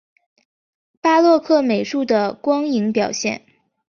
巴洛克美术的光影表现